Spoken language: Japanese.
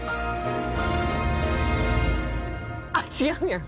あっ違うやん。